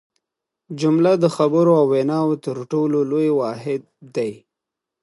جمله د خبرو او ویناوو تر ټولو لوی واحد دئ.